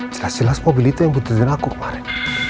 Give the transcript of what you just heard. jelas jelas mobil itu yang putusin aku kemarin